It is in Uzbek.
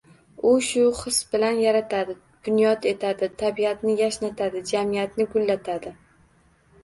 U shu his bilan yaratadi, bunyod etadi, tabiatni yashnatadi, jamiyatni gullatadi.